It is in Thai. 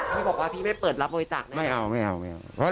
พี่บอกว่าพี่ไม่เปิดรับบริจาคนะไม่เอาไม่เอาไม่เอา